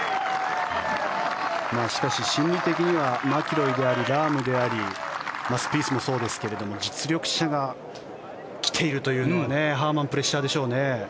しかし、心理的にはマキロイでありラームでありスピースもそうですけど実力者が来ているというのはハーマンプレッシャーでしょうね。